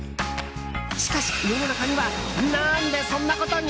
しかし、世の中には何でそんなことに？